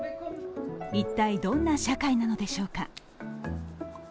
一体どんな社会なのでしょうか。